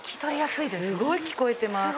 すごい聞こえてます。